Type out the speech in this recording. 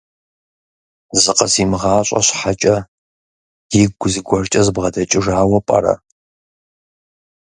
Зыкъызимыгъащӏэ щхьэкӏэ, игу зыгуэркӏэ збгъэдэкӏыжауэ пӏэрэ?